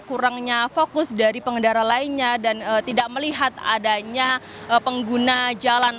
kurangnya fokus dari pengendara lainnya dan tidak melihat adanya pengguna jalan